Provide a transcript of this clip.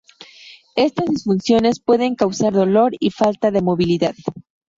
Estas disfunciones pueden causar dolor y falta de movilidad.